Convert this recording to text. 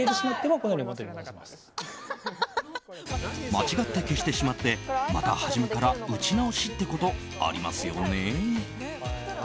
間違って消してしまってまた初めから打ち直しってことありますよね。